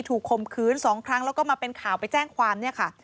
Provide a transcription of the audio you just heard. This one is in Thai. คมคืน๒ครั้งแล้วก็มาเป็นข่าวไปแจ้งความเนี่ยค่ะ